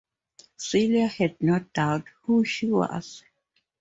Celia had no doubt who "she" was.